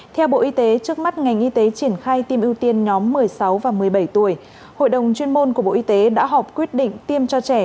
theo bộ y tế trước mắt ngành y tế triển khai tiêm ưu tiên nhóm một mươi sáu và một mươi bảy tuổi hội đồng chuyên môn của bộ y tế đã họp quyết định tiêm cho trẻ